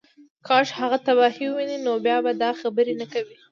کاش هغه تباهۍ ووینې نو بیا به دا خبرې نه کوې